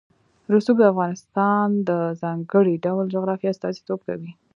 رسوب د افغانستان د ځانګړي ډول جغرافیه استازیتوب کوي.